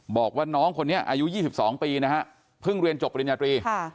บอกว่าน้องคนนี้อายุ๒๒ปีนะฮะเพิ่งเรียนจบปริญญาตรี